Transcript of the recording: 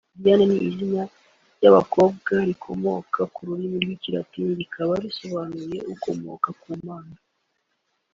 Diane ni izina ry’abakobwa rikomoka ku rurimi rw’Ikilatini rikaba risobanura “ukomoka ku Mana”